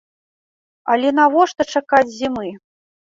Але навошта чакаць зімы?